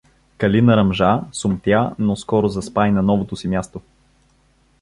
Калин ръмжа, сумтя, но скоро заспа и на новото си място.